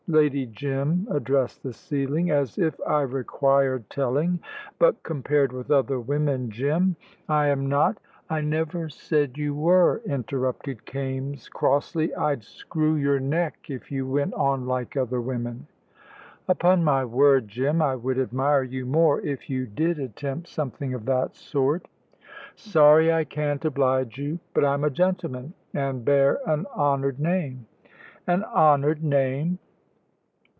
Lady Jim addressed the ceiling; "as if I required telling. But compared with other women, Jim, I am not " "I never said you were," interrupted Kaimes, crossly. "I'd screw your neck if you went on like other women." "Upon my word, Jim, I would admire you more if you did attempt something of that sort." "Sorry I can't oblige you; but I'm a gentleman and bear an honoured name." "An honoured name!"